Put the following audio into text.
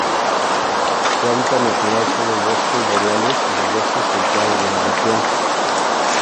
Su hábitat natural son los bosques boreales y los bosques templados de la región.